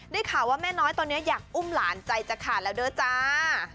ได้ข่าวว่าแม่น้อยตอนนี้อยากอุ้มหลานใจจะขาดแล้วเด้อจ้า